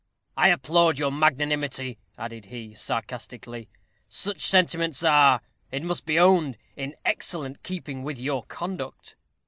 "I applaud your magnanimity," added he, sarcastically; "such sentiments are, it must be owned, in excellent keeping with your conduct."